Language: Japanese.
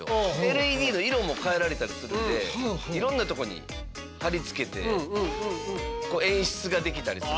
ＬＥＤの色も変えられたりするんでいろんなとこに貼り付けて演出ができたりする。